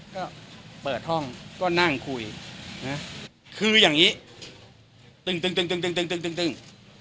ก็เปิดห้องก็นั่งคุยนะคืออย่างงี้ตึงตึงตึงตึงตึงตึงตึงตึงตึง